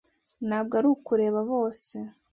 Ntabwo ari ukureba bose